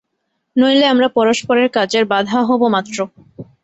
নইলে আমরা পরস্পরের কাজের বাধা হব মাত্র।